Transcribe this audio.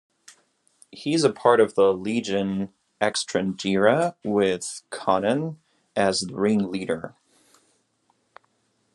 He is a part of the Legion Extranjera with Konnan as the ring leader.